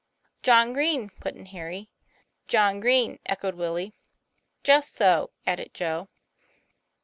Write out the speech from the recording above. "John Green," put in Harry. "John Green," echoed Willie. "Just so," added Joe.